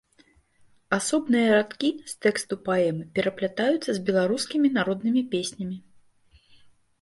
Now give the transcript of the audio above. Асобныя радкі з тэксту паэмы пераплятаюцца з беларускімі народнымі песнямі.